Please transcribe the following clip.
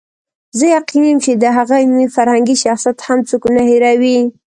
زه یقیني یم چې د هغه علمي فرهنګي شخصیت هم څوک نه هېروي.